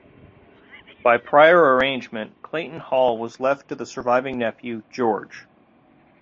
By prior arrangement, Clayton Hall was left to the surviving nephew, George.